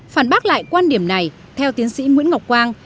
phản bác lại quan điểm này theo tiến sĩ nguyễn ngọc quang